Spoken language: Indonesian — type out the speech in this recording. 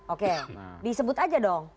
oke disebut aja dong